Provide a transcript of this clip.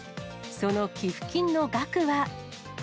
その寄付金の額は。